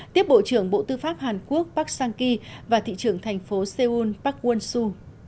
tiếp bộ trưởng bộ tư pháp hàn quốc park sang ki và thị trưởng thành phố seoul park won su